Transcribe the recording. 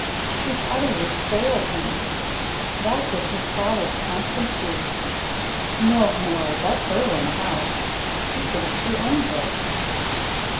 She's utterly spoiled him that was his father's constant grief. No, no let her run the house she thinks she owns it."